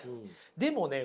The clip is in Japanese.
でもね